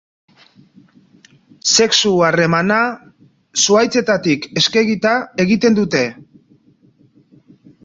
Sexu harremana zuhaitzetatik eskegita egiten dute.